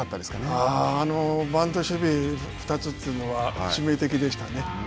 あのバント守備２つというのは致命的でしたね。